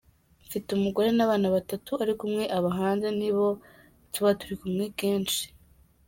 Mfite umugore n’abana batatu ariko umwe aba hanze, nibo tuba turi kumwe kenshi.